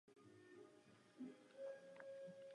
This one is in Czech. Vznikla tu proto také průmyslová zóna Misgav.